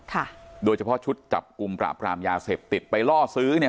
ค่ะโดยเฉพาะชุดจับกลุ่มปราบรามยาเสพติดไปล่อซื้อเนี่ย